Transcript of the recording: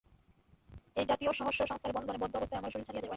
এই-জাতীয় সহস্র সংস্কারের বন্ধনে বদ্ধ অবস্থায় আমরা শরীর ছাড়িয়া যাই।